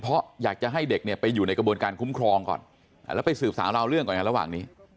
เพราะอยากจะให้เด็กเนี่ยไปอยู่ในกระบวนการคุ้มครองก่อนแล้วไปสืบสาวราวเรื่องก่อนกันระหว่างนี้